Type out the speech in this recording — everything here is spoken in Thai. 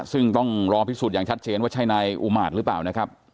ซึ่งต้องรอพิสูจน์อย่างชัดเจนว่าใช่นายอุมาตย์หรือเปล่านะครับ